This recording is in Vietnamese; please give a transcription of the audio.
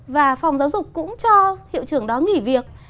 và phòng giáo dục cũng cho hiệu trưởng đó nghỉ việc